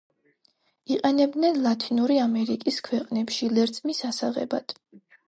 იყენებდნენ ლათინური ამერიკის ქვეყნებში ლერწმის ასაღებად.